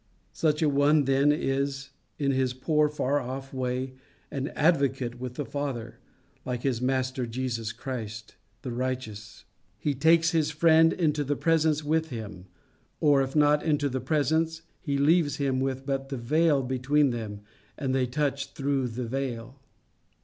Such a one then is, in his poor, far off way, an advocate with the Father, like his master, Jesus Christ, The Righteous. He takes his friend into the presence with him, or if not into the presence, he leaves him with but the veil between them, and they touch through the veil.